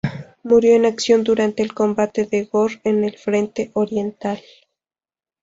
Murió en acción durante el combate en Gor en el Frente Oriental.